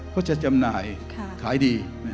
เขาจะจำหน่ายถ่ายดี